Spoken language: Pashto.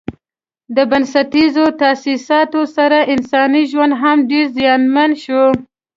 د بنسټیزو تاسیساتو سره انساني ژوند هم ډېر زیانمن شو.